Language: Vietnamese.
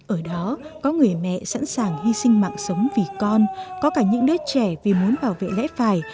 ở đó có người mẹ sẵn sàng hy sinh mạng sống vì con có cả những đứa trẻ vì muốn bảo vệ lẽ phải